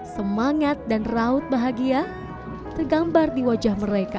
semangat dan raut bahagia tergambar di wajah mereka